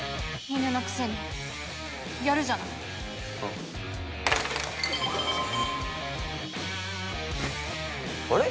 犬のくせにやるじゃないあああれ？